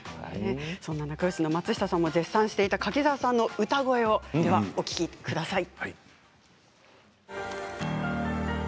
そんな仲よしの松下さんも絶賛していた柿澤さんの歌声をお聴きください。